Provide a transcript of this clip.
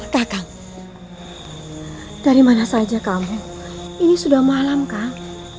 datang dari mana saja kamu ini sudah malam kang